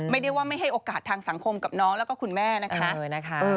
ไม่ได้ว่าไม่ให้โอกาสทางสังคมกับน้องแล้วก็คุณแม่นะคะ